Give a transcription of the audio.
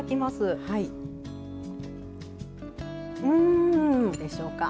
どうでしょうか？